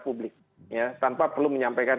publik tanpa perlu menyampaikan